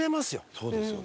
そうですよね。